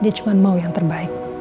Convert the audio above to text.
dia cuma mau yang terbaik